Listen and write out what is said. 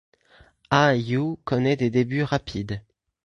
Ah You connait des débuts rapides.